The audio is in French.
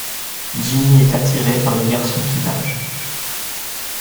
Jimmy est attiré par le garçon qui nage.